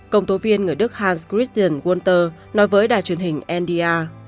công tố viên người đức hans christian gunther nói với đài truyền hình ndr